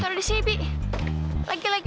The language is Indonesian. taruh di sini bibi lagi lagi